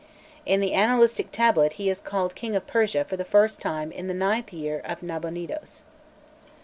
In the Annalistic Tablet, he is called "King of Persia" for the first time in the ninth year of Nabonidos.